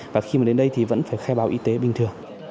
và khi mà đến đây thì vẫn phải khai báo y tế bình thường